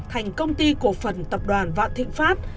thành công ty cổ phần tập đoàn vạn thịnh pháp